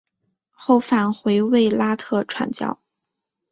后返回卫拉特传教。